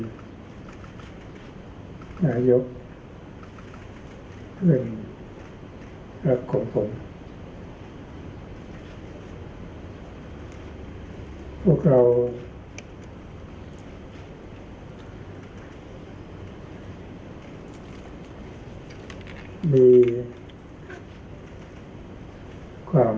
แล้วเขาก็คุยให้ยกกับคุณครับคุณคุณครับคุณครับคุณ